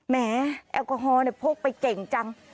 แหมแอลกอฮอล์พกไปเก่งจัง